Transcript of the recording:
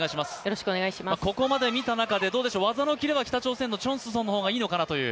ここまで見た中で、技のキレは北朝鮮のチョンの方がいいですか？